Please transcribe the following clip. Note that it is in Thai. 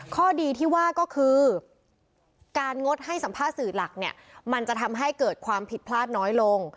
ข้อดีที่ว่าก็คือการงดให้สัมภาษณ์สื่อหลักเนี่ยมันจะทำให้เกิดความผิดพลาดน้อยลง